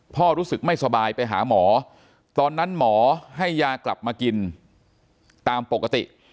รู้สึกไม่สบายไปหาหมอตอนนั้นหมอให้ยากลับมากินตามปกติ